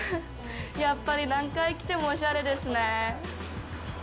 やっぱり何回来てもおしゃれですね。